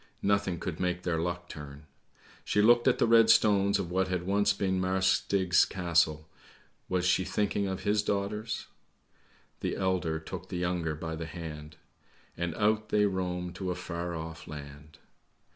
nothing could make their luck turn. She looked at the red stones of what had once been Marsk Stig's Castle, was she thinking of his daughters? ' The elder took the younger by the hand, And out they roamed to a far off land.'